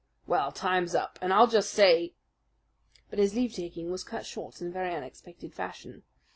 Well, time's up, and I'll just say " But his leavetaking was cut short in a very unexpected fashion.